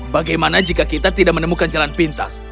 bagaimana jika kita tidak menemukan jalan pintas